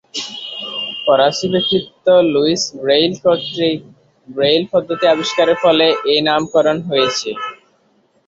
ফরাসী ব্যক্তিত্ব Louis Braille কর্তৃক ব্রেইল পদ্ধতি আবিস্কারের ফলে এ নামকরণ হয়েছে।